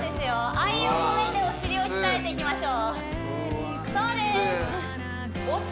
愛をこめてお尻を鍛えていきましょう１２１２